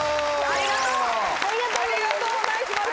ありがとうございます。